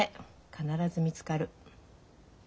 必ず見つかる。